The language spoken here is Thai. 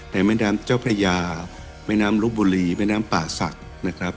แต่แม่น้ำเจ้าพระยาแม่น้ำลบบุรีแม่น้ำป่าศักดิ์นะครับ